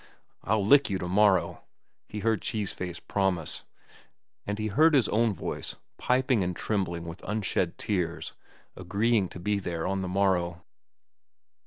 "I'll lick you to morrow," he heard Cheese Face promise; and he heard his own voice, piping and trembling with unshed tears, agreeing to be there on the morrow.